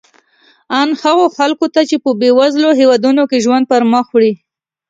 ان هغو خلکو ته چې په بېوزلو هېوادونو کې ژوند پرمخ وړي.